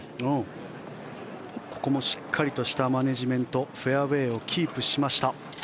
ここもしっかりしたマネジメントでフェアウェーをキープしました。